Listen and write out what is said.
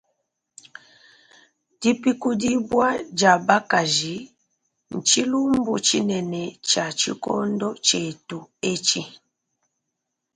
Dipikudibua dia bakaji ntshilumbu tshinene tshia tshikondo tshietu etshi.